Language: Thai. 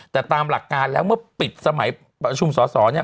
แต่ตามหลักการแล้วเมื่อปิดสมัยประชุมสอสอเนี่ย